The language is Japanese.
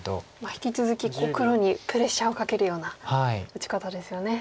引き続き黒にプレッシャーをかけるような打ち方ですよね。